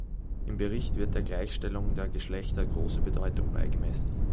Im Bericht wird der Gleichstellung der Geschlechter große Bedeutung beigemessen.